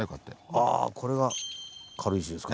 あこれが軽石ですか。